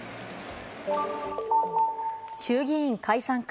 衆議院解散か？